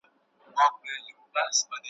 چي آواز یې داسي ډک دی له هیبته `